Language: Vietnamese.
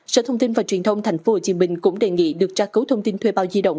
sở thông tin và truyền thông tp hcm cũng đề nghị được tra cứu thông tin thuê bao di động